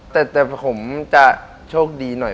แต่ผมจะโชคดีหน่อย